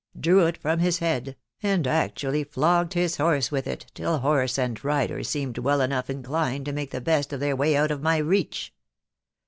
drew it from his head, and actually flogged his horse with it till horse and rider together seemed well enough inclined to make the best of their way out of my reach.